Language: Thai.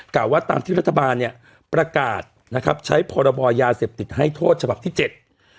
ว่าตามที่รัฐบาลเนี่ยประกาศนะครับใช้พรบยาเสพติดให้โทษฉบับที่เจ็ด